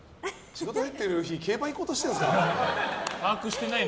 仕事入ってる日に競馬行こうとしてるんですか？